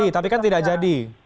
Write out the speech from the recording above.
tapi kan tidak jadi